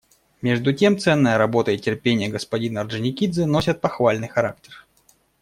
Между тем ценная работа и терпение господина Орджоникидзе носят похвальный характер.